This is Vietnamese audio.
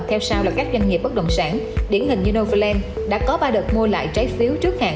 theo sao là các doanh nghiệp bất động sản điển hình như novaland đã có ba đợt mua lại trái phiếu trước hạn